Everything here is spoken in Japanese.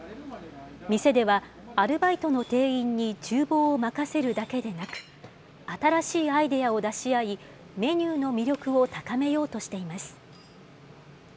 店ではアルバイトの店員にちゅう房を任せるだけでなく、新しいアイデアを出し合い、メニューの魅力を高めようとしています。